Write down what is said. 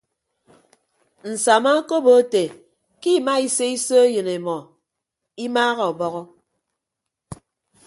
Nsama okobo ete ke ima ise iso eyịn emọ imaaha ọbọhọ.